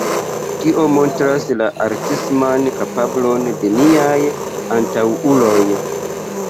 Tio montras la artisman kapablon de niaj antaŭuloj.